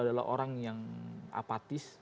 adalah orang yang apatis